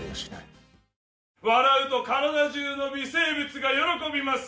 笑うと体中の微生物が喜びます。